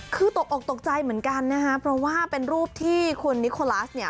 คือตกออกตกใจเหมือนกันนะคะเพราะว่าเป็นรูปที่คุณนิโคลัสเนี่ย